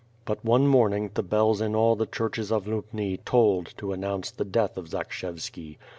But one morning, the bells in all the churches of Lubni tolled to announce the death of Zakshevski.